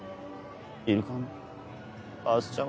イルカのアースちゃんはもう。